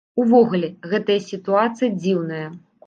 Увогуле, гэтая сітуацыя дзіўная.